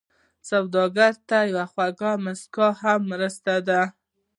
سوالګر ته یوه خوږه مسکا هم مرسته ده